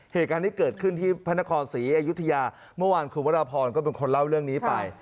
เหตุการณ์ที่เกิดขึ้นที่พระนครศรีอยุธยาเมื่อวานคุณวรพรก็เป็นคนเล่าเรื่องนี้ไป